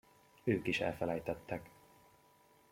Ők is elfelejtettek.